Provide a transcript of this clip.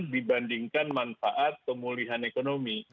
dibandingkan manfaat pemulihan ekonomi